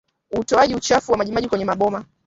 Utoaji uchafu wa majimaji kwenye maboma